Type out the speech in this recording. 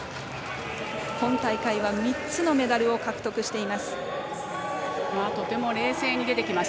今大会は３つのメダルを獲得しています。